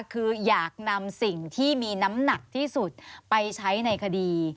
คืออยากนำสิ่งที่มีน้ำหนักที่สุดไปใช้ในคดี